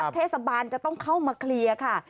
เทศบาลจะต้องเข้ามาเคลียร์ค่ะ